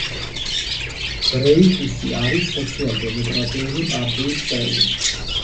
დრეიფუსი არის სოციალ-დემოკრატიული პარტიის წევრი.